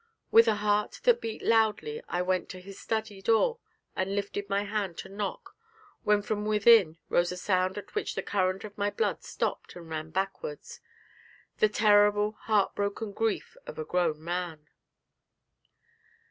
With a heart that beat loudly I went to his study door and lifted my hand to knock, when from within rose a sound at which the current of my blood stopped and ran backwards the terrible, heartbroken grief of a grown man.